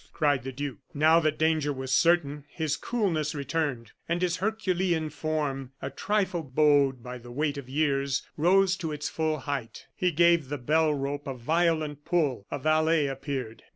cried the duke. Now that danger was certain, his coolness returned; and his herculean form, a trifle bowed by the weight of years, rose to its full height. He gave the bell rope a violent pull; a valet appeared.